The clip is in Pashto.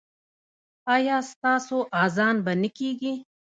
ایا ستاسو اذان به نه کیږي؟